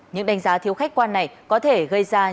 những đánh giá thiếu khách quan này có thể gây ra